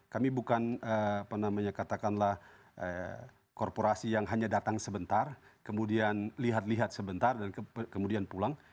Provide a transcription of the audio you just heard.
kami bukan katakanlah korporasi yang hanya datang sebentar kemudian lihat lihat sebentar dan kemudian pulang